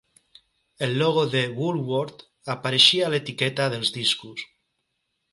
El logo de Woolworth apareixia a l'etiqueta dels discos.